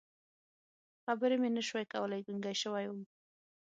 خبرې مې نه شوې کولی، ګونګی شوی وم.